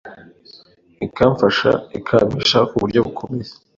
ikamfasha ikampisha ku buryo bukomeye